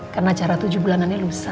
karena acara tujuh bulanannya lusa